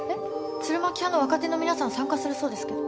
鶴巻派の若手の皆さん参加するそうですけど。